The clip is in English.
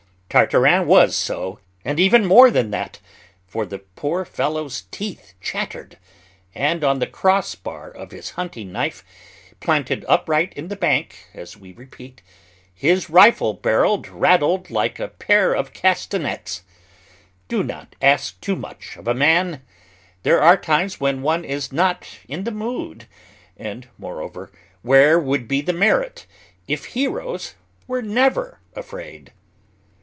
Tartarin was so, and even more than that, for the poor fellow's teeth chattered, and on the cross bar of his hunting knife, planted upright in the bank, as we repeat, his rifle barrel rattled like a pair of castanets. Do not ask too much of a man! There are times when one is not in the mood; and, moreover, where would be the merit if heroes were never afraid?